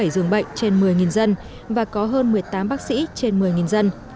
bảy dường bệnh trên một mươi dân và có hơn một mươi tám bác sĩ trên một mươi dân